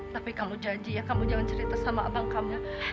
tapi kamu janji ya kamu jangan cerita sama abang kamu